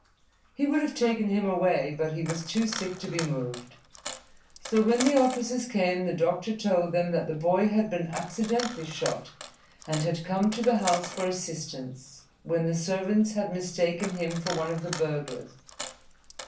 He would have taken him away, but he was too sick to be moved. So when the officers came the doctor told them that the boy had been accidentally shot and had come to the house for assistance, when the servants had mistaken him for one of the burglars.